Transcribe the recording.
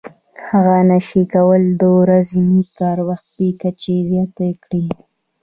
هغه نشي کولای د ورځني کار وخت بې کچې زیات کړي